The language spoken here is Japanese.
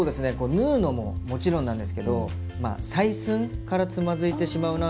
縫うのももちろんなんですけどまあ採寸からつまずいてしまうなというところがあって。